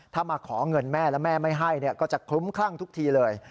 ถ้ามาขอเงินแม่แล้วแม่ไม่ให้ก็จะคลุ้มคลั่งทุกทีเลย